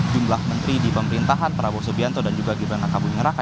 jumlah menteri di pemerintahan prabowo gibran dan kabupaten ngeraka